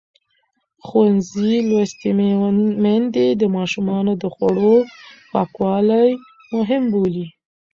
ښوونځې لوستې میندې د ماشومانو د خوړو پاکوالی مهم بولي.